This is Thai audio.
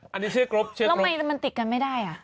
อันนี้ชื่อกรุ๊ปชื่อกรุ๊ปแล้วทำไมมันติดกันไม่ได้